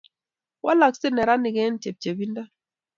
Walaksei neranik eng chepchepindo